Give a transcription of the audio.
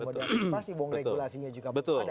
mengantisipasi wong regulasinya juga belum ada